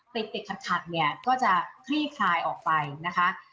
เป็นเกียรติฐัพก็จะที่กายออกไปนะคะ